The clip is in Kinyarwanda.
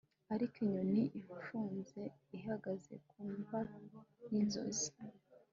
Ariko inyoni ifunze ihagaze ku mva yinzozi